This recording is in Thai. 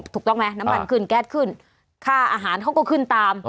ถูกต้องไหมน้ำมันขึ้นแก๊สขึ้นค่าอาหารเขาก็ขึ้นตาม